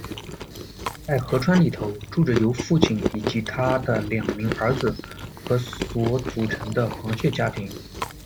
在河川里头，住着由父亲，以及他的两名儿子和所组成的螃蟹家庭。